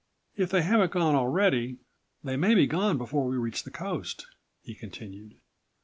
122 "If they haven't gone already, they may be gone before we reach the coast," he continued.